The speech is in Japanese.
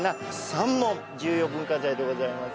重要文化財でございます。